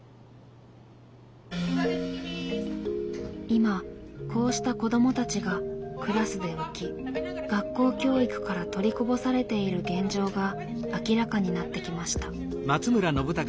今こうした子どもたちがクラスで浮き学校教育から取りこぼされている現状が明らかになってきました。